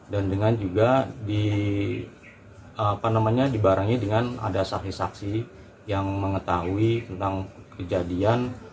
dan dengan juga dibarangnya dengan ada saksi saksi yang mengetahui tentang kejadian